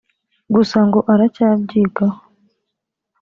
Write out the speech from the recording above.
gusa ngo aracyabyigaho